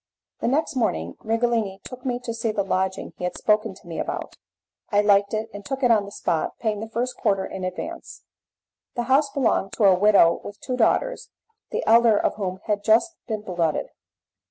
The next morning Righelini took me to see the lodging he had spoken to me about. I liked it and took it on the spot, paying the first quarter in advance. The house belonged to a widow with two daughters, the elder of whom had just been blooded.